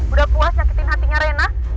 udah puas sakitin hatinya rena